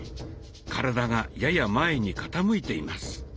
体がやや前に傾いています。